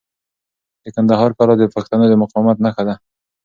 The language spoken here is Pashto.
د کندهار کلا د پښتنو د مقاومت نښه ده.